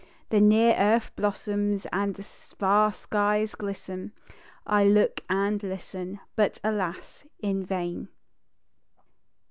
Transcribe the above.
_ The near Earth blossoms and the far Skies glisten, I look and listen, but, alas! in vain.